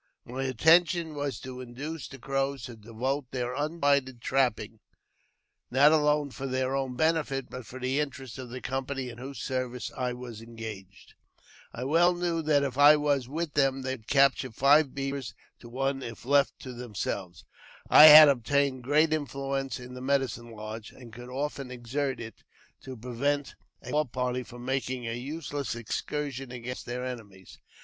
My intention was to induce the ': Crows to devote their undivided attention to trapping, not I alone for their own benefit, but for the interest of the company 1 in whose service I was engaged. I well knew that if I was I with them they would catch five beavers to one if left to them selves. I had obtained great influence in the medicine lodge, ■ and could often exert it to prevent a war party from making a I useless excursion against their enemies.